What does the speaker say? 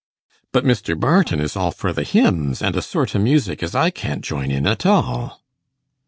But Mr. Barton is all for th' hymns, and a sort o' music as I can't join in at all.